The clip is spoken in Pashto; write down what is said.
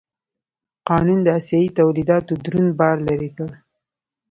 قانون د اسیايي تولیداتو دروند بار لرې کړ.